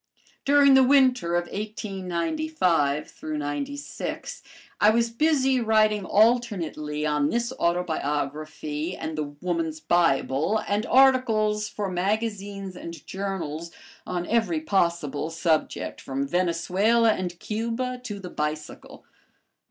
During the winter of 1895 96 I was busy writing alternately on this autobiography and "The Woman's Bible," and articles for magazines and journals on every possible subject from Venezuela and Cuba to the bicycle.